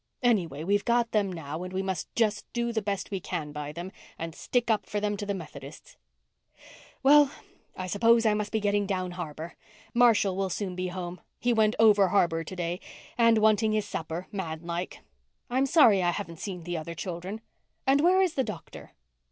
Anyway, we've got them now and we must just do the best we can by them and stick up for them to the Methodists. Well, I suppose I must be getting down harbour. Marshall will soon be home—he went over harbour to day—and wanting his super, man like. I'm sorry I haven't seen the other children. And where's the doctor?"